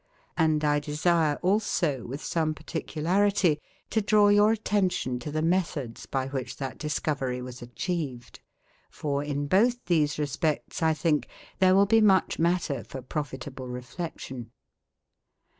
And I desire also, with some particularity, to draw your attention to the methods by which that discovery was achieved; for, in both these respects, I think, there will be much matter for profitable reflection.